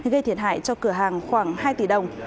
gây thiệt hại cho cửa hàng khoảng hai tỷ đồng